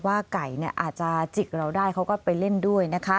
ไก่อาจจะจิกเราได้เขาก็ไปเล่นด้วยนะคะ